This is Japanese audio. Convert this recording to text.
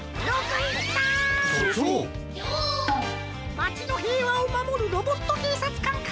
まちのへいわをまもるロボットけいさつかんか。